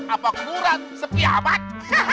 apa kurang sepi amat